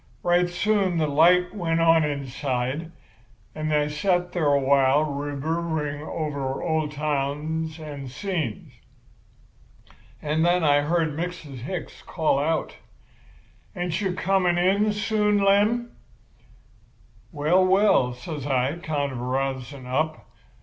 Right soon the light went out inside; and I sat there a while reverberating over old times and scenes. And then I heard Mrs. Hicks call out, 'Ain't you coming in soon, Lem?' "'Well, well!' says I, kind of rousing up.